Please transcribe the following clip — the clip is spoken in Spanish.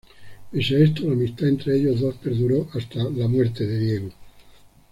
Pese a esto, la amistad entre ellos dos perduró hasta la muerte de Diego.